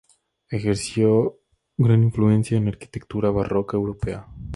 Ejerció gran influencia en la arquitectura barroca europea.